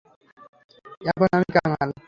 এখন আমি কাঙাল।